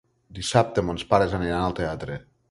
Dissabte mons pares aniran al teatre.